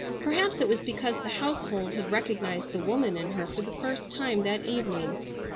Perhaps it was because the household had recognized the woman in her for the first time that evening.